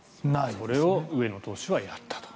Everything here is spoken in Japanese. それを上野投手はやったと。